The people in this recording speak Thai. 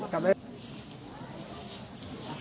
ขอสบายครับ